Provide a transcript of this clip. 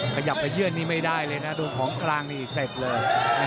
ขยับไปเยื่อนนี่ไม่ได้เลยนะโดนของกลางนี่เสร็จเลย